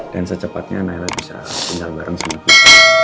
dan secepatnya nailah bisa tinggal bareng sama kita